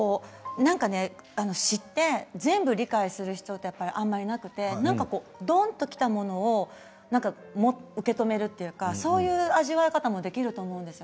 詩って全部理解する人はあまりいなくてどんときたものを受け止めるというかそういう味わい方もできると思うんです。